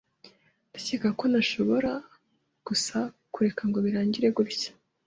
Ndakeka ko ntashobora gusa kureka ngo birangire gutya.